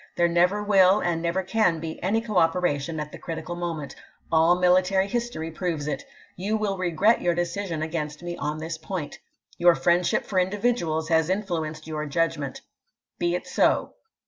There never will and never can be any cooperation at the critical moment ; all military history proves it. You will regret your decision against me on MfCiitiiaiK this point. Your friendship for individuals has influenced iw^' \V.' K. y^^^ judgment. Be it so.